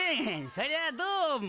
そりゃどうも？